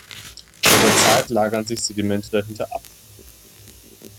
Mit der Zeit lagern sich Sedimente dahinter ab.